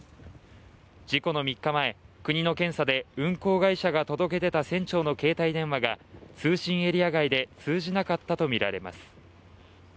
事故の３日前、国の検査で運航会社が届け出た船長の携帯電話が通信エリア外で通じなかったとみられます。